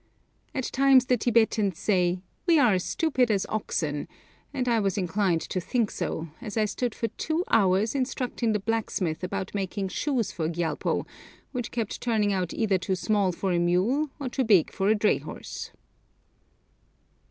At times the Tibetans say, 'We're as stupid as oxen,' and I was inclined to think so, as I stood for two hours instructing the blacksmith about making shoes for Gyalpo, which kept turning out either too small for a mule or too big for a dray horse.